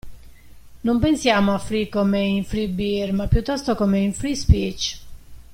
Non pensiamo a 'free' come in 'free beer', ma piuttosto come in 'free speech'.